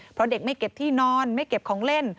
เพราะเด็กไม่เก็บที่นอนไม่เก็บของเล่น